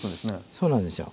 そうなんですよ。